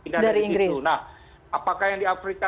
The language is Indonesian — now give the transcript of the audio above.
dari inggris nah apakah yang di afrika